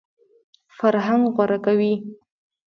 فرهنګ غوره کوي.